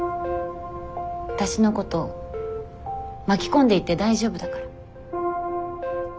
わたしのこと巻き込んでいって大丈夫だから。